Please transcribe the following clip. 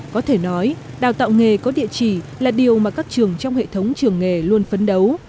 có thể nói đào tạo nghề có địa chỉ là điều mà các trường trong hệ thống trường nghề luôn phấn đấu